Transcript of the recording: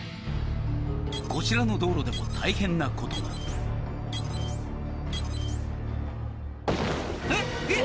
こちらの道路でも大変なことがえっえっ？